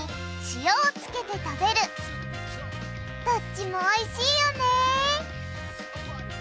どっちもおいしいよね！